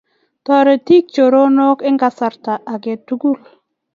toretigei chironok Eng' kasarta age tugul